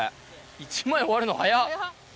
１枚終わるの早っ！